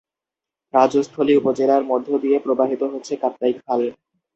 রাজস্থলী উপজেলার মধ্য দিয়ে প্রবাহিত হচ্ছে কাপ্তাই খাল।